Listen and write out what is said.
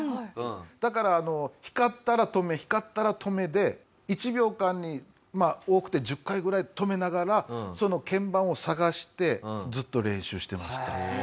だから光ったら止め光ったら止めで１秒間に多くて１０回ぐらい止めながらその鍵盤を探してずっと練習してました。